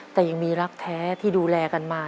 แต่ยังมีรักแท้ที่ดูแลกันมา